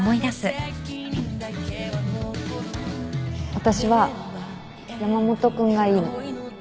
私は山本君がいいの